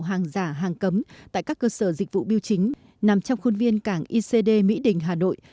hàng giả hàng cấm tại các cơ sở dịch vụ biêu chính nằm trong khuôn viên cảng icd mỹ đình hà nội